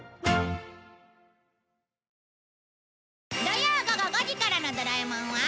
土曜午後５時からの『ドラえもん』は